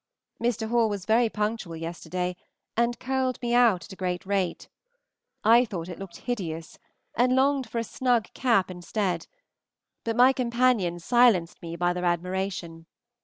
Mr. Hall was very punctual yesterday, and curled me out at a great rate. I thought it looked hideous, and longed for a snug cap instead, but my companions silenced me by their admiration.